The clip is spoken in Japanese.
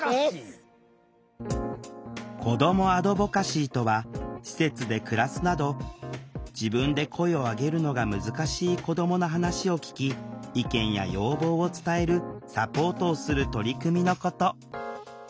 子どもアドボカシーとは施設で暮らすなど自分で声を上げるのが難しい子どもの話を聴き意見や要望を伝えるサポートをする取り組みのこと。